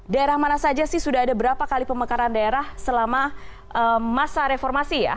daerah mana saja sih sudah ada berapa kali pemekaran daerah selama masa reformasi ya